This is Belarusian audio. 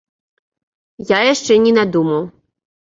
Я яшчэ не надумаў.